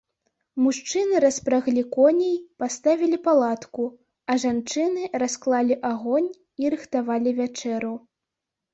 Мужчыны распраглі коней, паставілі палатку, а жанчыны расклалі агонь і рыхтавалі вячэру.